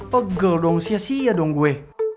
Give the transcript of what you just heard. pegel dong sia sia dong gue